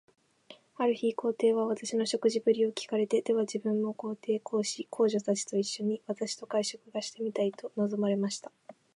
ある日、皇帝は私の食事振りを聞かれて、では自分も皇后、皇子、皇女たちと一しょに、私と会食がしてみたいと望まれました。